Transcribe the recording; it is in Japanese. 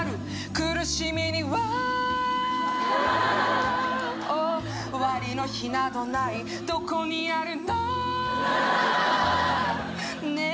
苦しみには終わりの日などないどこにあるのねえ